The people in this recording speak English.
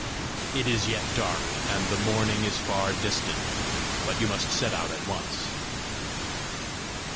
It is yet dark, and the morning is far distant, but you must set out at once."